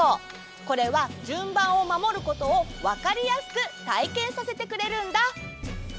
これはじゅんばんをまもることをわかりやすくたいけんさせてくれるんだ。